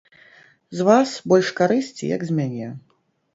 З вас больш карысці, як з мяне.